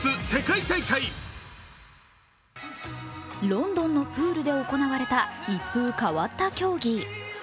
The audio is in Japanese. ロンドンのプールで行われた一風変わった競技。